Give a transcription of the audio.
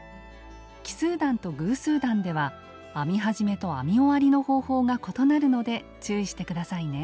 奇数段と偶数段では編み始めと編み終わりの方法が異なるので注意して下さいね。